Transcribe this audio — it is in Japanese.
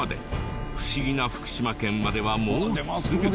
不思議な福島県まではもうすぐ。